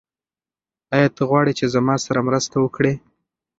ایا ته غواړې چې زما سره مرسته وکړې؟